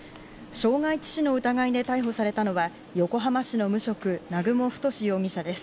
傷害致死の疑いで逮捕されたのは横浜市の無職・南雲太容疑者です。